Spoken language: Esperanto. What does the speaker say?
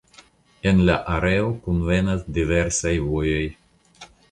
En la areo kunvenas diversaj vojoj.